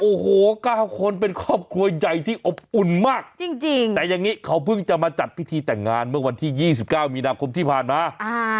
โอ้โหเก้าคนเป็นครอบครัวใหญ่ที่อบอุ่นมากจริงจริงแต่อย่างงี้เขาเพิ่งจะมาจัดพิธีแต่งงานเมื่อวันที่ยี่สิบเก้ามีนาคมที่ผ่านมาอ่า